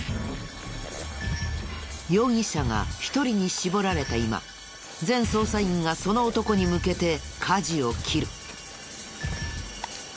容疑者が１人に絞られた今全捜査員がその男に向けて舵を切る。